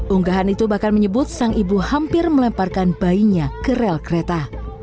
unggahan itu bahkan menyebut sang ibu hampir melemparkan bayinya ke rel kereta